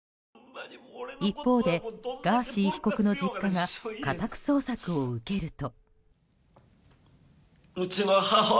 一方で、ガーシー被告の実家が家宅捜索を受けると。